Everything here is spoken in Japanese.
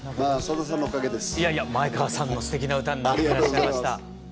前川さんのすてきな歌になってらっしゃいました。